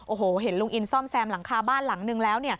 โอ้โหเห็นลุงอินซ่อมแซมหลังคาบ้านหลังนึงแล้ว